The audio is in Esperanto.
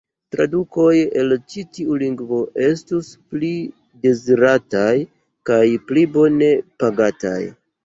Tradukoj el ĉi tiu lingvo estus pli dezirataj kaj pli bone pagataj.